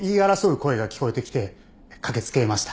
声が聞こえてきて駆け付けました。